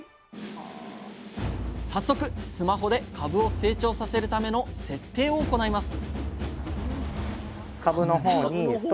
早速スマホで株を成長させるための設定を行います